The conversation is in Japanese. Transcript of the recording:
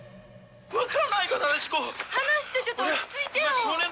離してちょっと落ち着いてよ。